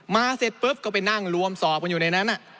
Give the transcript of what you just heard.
เสร็จปุ๊บก็ไปนั่งรวมสอบกันอยู่ในนั้น